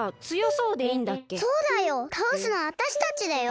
そうだよたおすのはわたしたちだよ。